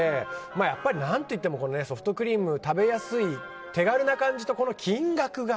やっぱり何と言ってもソフトクリーム、食べやすい手軽な感じとこの金額が。